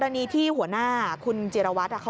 กรณีที่หัวหน้าคุณเจียรวัตเขาบอกว่า